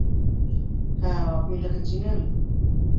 হ্যাঁ, আপনি তাকে চিনেন?